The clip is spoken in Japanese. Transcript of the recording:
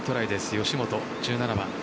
吉本、１７番。